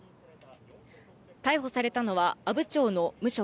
逮捕されたのは阿武町の無職